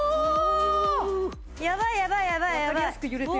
やばいやばいやばいやばい。